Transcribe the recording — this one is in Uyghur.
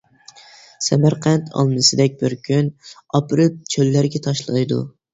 سەمەرقەنت ئالمىسىدەك بىر كۈن، ئاپىرىپ چۆللەرگە تاشلايدۇ.